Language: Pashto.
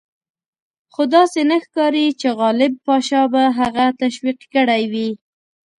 خو داسې نه ښکاري چې غالب پاشا به هغه تشویق کړی وي.